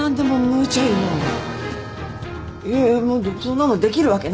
いやいやもうそんなのできるわけない。